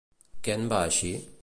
Què en va eixir?